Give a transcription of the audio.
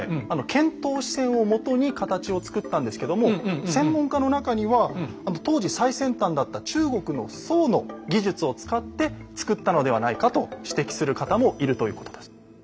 遣唐使船をもとに形を作ったんですけども専門家の中には当時最先端だった中国の宋の技術を使って造ったのではないかと指摘する方もいるということです。